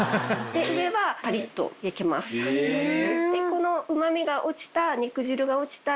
このうま味が落ちた。